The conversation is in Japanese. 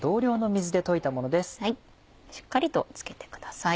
しっかりと付けてください。